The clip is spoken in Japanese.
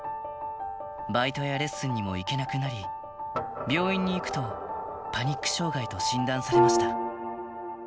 バイトやレッスンにも行けなくなり、病院に行くと、パニック障害と診断されました。